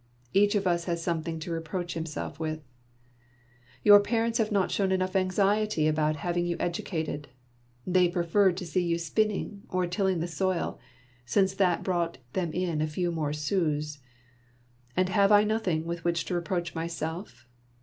Each of us has something to reproach himself with. Your parents have not shown enough anxiety about having you educated. They preferred to see you spinning, or tilling the soil, since that brought them in a few more sous. And have I nothing with which to reproach myself